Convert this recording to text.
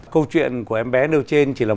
câu chuyện của em bé nơi trên chỉ là